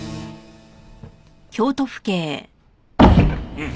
うん。